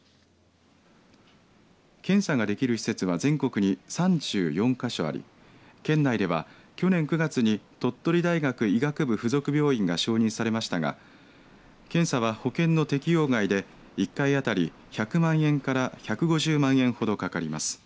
検査ができる施設は全国に３４か所あり県内では、去年９月に鳥取大学医学部附属病院が承認されましたが検査は、保険の適用外で１回当たり１００万円から１５０万円ほどかかります。